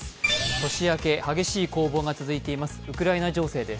年明け、激しい攻防が続いています